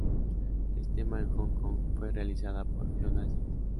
El tema en Hong Kong fue realizada por Fiona Sit.